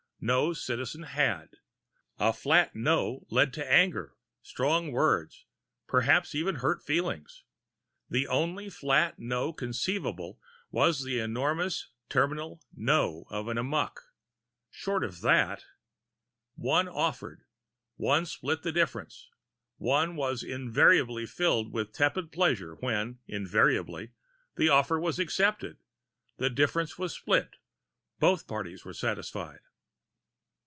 No Citizen had. A flat no led to anger, strong words perhaps even hurt feelings. The only flat no conceivable was the enormous terminal no of an amok. Short of that One offered. One split the difference. One was invariably filled with tepid pleasure when, invariably, the offer was accepted, the difference was split, both parties were satisfied.